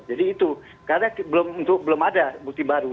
jadi itu karena itu belum ada bukti baru